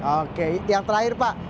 oke yang terakhir pak